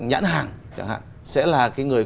nhãn hàng chẳng hạn sẽ là cái người